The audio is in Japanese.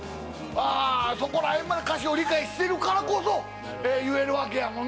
そこら辺まで歌詞を理解してるからこそ言えるわけやもんな。